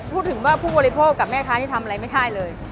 พูดถึงว่าผู้บริโภคกับแม่ค้านี่ทำอะไรไม่ได้เลย